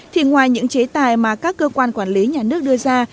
thì ngoài những chế tài mà các cơ quan quản lý nhà nước đưa ra